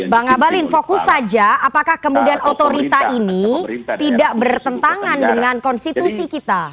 bang abalin fokus saja apakah kemudian otorita ini tidak bertentangan dengan konstitusi kita